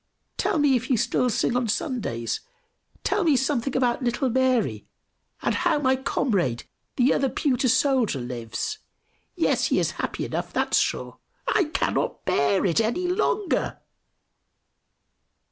"Tell me if you still sing on Sundays? Tell me something about little Mary! And how my comrade, the other pewter soldier, lives! Yes, he is happy enough, that's sure! I cannot bear it any longer!"